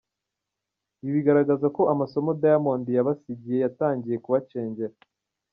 Ibi bigaragaza ko amasomo Diamond yabasigiye yatangiye kubacengera.